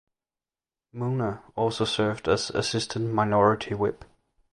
Muna also served as Assistant Minority Whip.